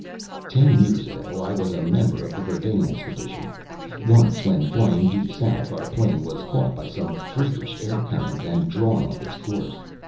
"Ten years ago I was a member of the Verdane expedition. Once, when flying due south, our plane was caught by some freakish air current and drawn off its course.